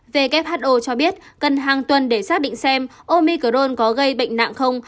who cho biết cần hàng tuần để xác định xem omicrone có gây bệnh nặng không